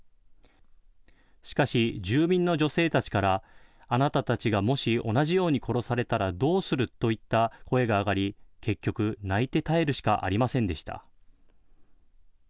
しかし、住民の女性たちからあなたたちがもし同じように殺されたらどうするといった声が上がり結局、泣いて耐えるしかありませんでした。